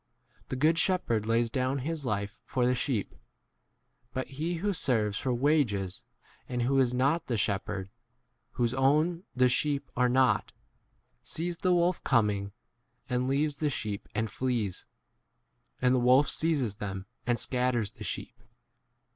The good shepherd lays down his life for the 12 sheep : but he who serves for wages, and who is not the shep herd, whose own the sheep are not, sees the wolf coming, and •leaves the sheep and flees; and the wolf seizes them and scatters 13 the sheep.